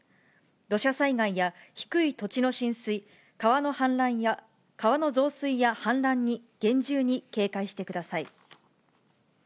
土砂災害や低い土地の浸水、川の増水や氾濫に厳重に警戒してください。